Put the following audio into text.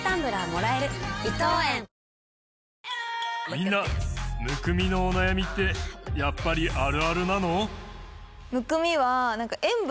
みんなむくみのお悩みってやっぱりあるあるなの？